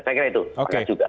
saya kira itu